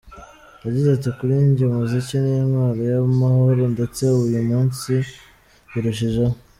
Yagize ati:”Kuri jye umuziki ni intwaro y’amahoro ndetse uyu munsi birushijeho.